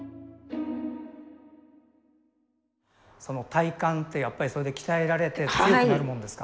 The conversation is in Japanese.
その体幹ってやっぱりそれで鍛えられて強くなるもんですか？